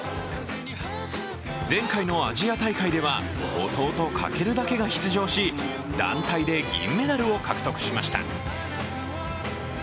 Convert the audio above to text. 前回のアジア大会では、弟・翔だけが出場し団体で銀メダルを獲得しました。